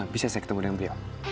bisa saya ketemu dengan beliau